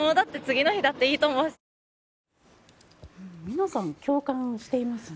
皆さん、共感していますね。